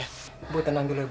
ibu tenang dulu ya